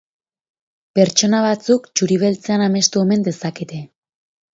Pertsona batzuk txuri beltzean amestu omen dezakete.